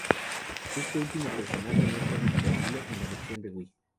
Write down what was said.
Este último personaje no está disponible en la versión de Wii.